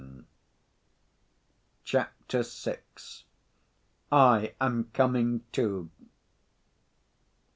Chapter VI. "I Am Coming, Too!"